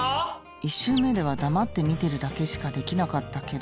１周目では黙って見てるだけしかできなかったけど